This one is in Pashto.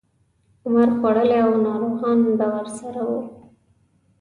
عمر خوړلي او ناروغان به ورسره وو.